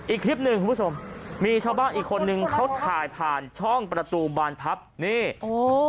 อีกคลิปหนึ่งคุณผู้ชมมีชาวบ้านอีกคนนึงเขาถ่ายผ่านช่องประตูบานพับนี่โอ้